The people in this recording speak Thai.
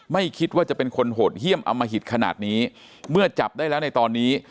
ไม่คิดว่าจะเป็นคนโหดเยี่ยมอมหิตขนาดนี้เมื่อจับได้แล้วในตอนนี้